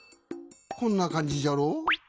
こんな感じじゃろ。